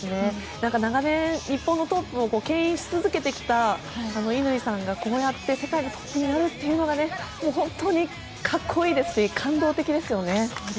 長年、日本のトップを牽引し続けてきた乾さんがこうやって世界でというのが本当に格好いいですし感動的ですよね。